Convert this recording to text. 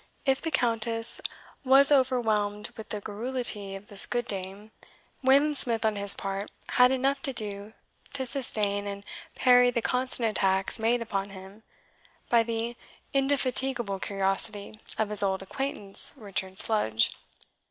If the Countess was overwhelmed with the garrulity of this good dame, Wayland Smith, on his part, had enough to do to sustain and parry the constant attacks made upon him by the indefatigable curiosity of his old acquaintance Richard Sludge.